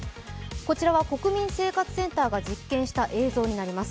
こちらは国民生活センターが実験した映像になります。